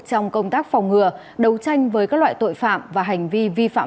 trong công tác phòng ngừa đấu tranh với các loại tội phạm và hành vi vi phạm